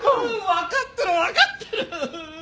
わかってるわかってる！